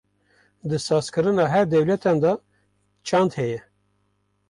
di saz kirina her dewletan de çand heye.